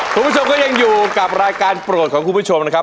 คุณผู้ชมก็ยังอยู่กับรายการโปรดของคุณผู้ชมนะครับ